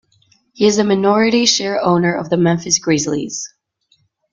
He is a minority share owner of the Memphis Grizzlies.